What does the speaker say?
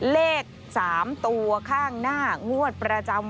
เลข๓ตัวข้างหน้างวดประจำ